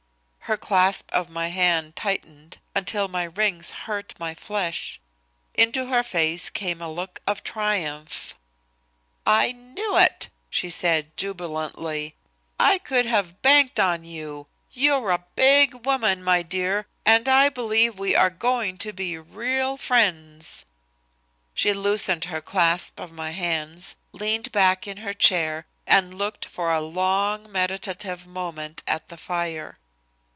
Her clasp of my hand tightened until my rings hurt my flesh. Into her face came a look of triumph. "I knew it," she said jubilantly. "I could have banked on you. You're a big woman, my dear, and I believe we are going to be real friends." She loosened her clasp of my hands, leaned back in her chair and looked for a long, meditative moment at the fire.